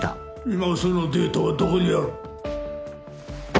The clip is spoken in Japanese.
今そのデータはどこにある？